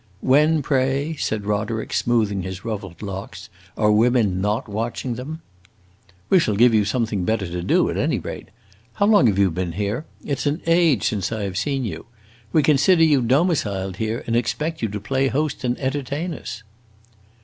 "When, pray," said Roderick, smoothing his ruffled locks, "are women not watching them?" "We shall give you something better to do, at any rate. How long have you been here? It 's an age since I have seen you. We consider you domiciled here, and expect you to play host and entertain us."